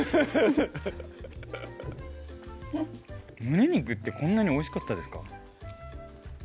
胸肉ってこんなにおいしかったですか？